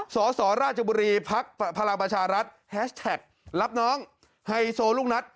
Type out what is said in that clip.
สสราชบุรีภักดิ์พลังประชารัฐแฮชแท็กรับน้องไฮโซลูกนัด